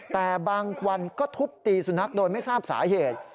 แต่บางวันก็ทุบตีสุนัขโดยไม่ทราบสาเหตุ